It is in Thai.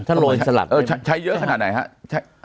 ใช้เยอะขนาดไหนครับ